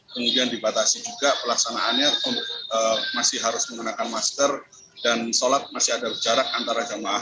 kemudian dibatasi juga pelaksanaannya masih harus menggunakan masker dan sholat masih ada jarak antara jamaah